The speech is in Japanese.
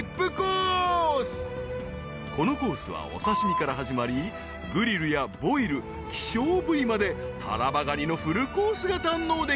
［このコースはお刺し身から始まりグリルやボイル希少部位までタラバガニのフルコースが堪能できる］